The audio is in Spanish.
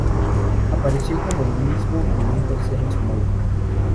Apareció como el mismo en un tercero, "Smoke".